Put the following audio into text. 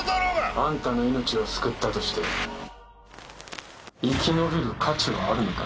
あんたの命を救ったとして生き延びる価値はあるのか？